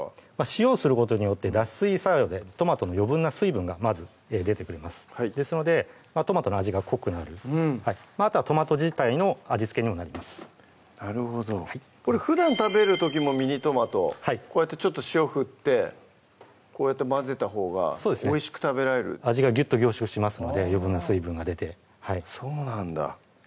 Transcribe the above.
塩をすることによって脱水作用でトマトの余分な水分がまず出てくれますですのでトマトの味が濃くなるあとはトマト自体の味付けにもなりますなるほどこれふだん食べる時もミニトマトこうやってちょっと塩振ってこうやって混ぜたほうがおいしく食べられる味がギュッと凝縮しますので余分な水分が出てそうなんだ